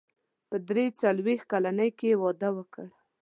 په درې څلوېښت کلنۍ کې يې واده وکړ.